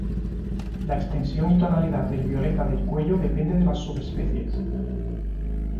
La extensión y tonalidad del violeta del cuello depende de las subespecies.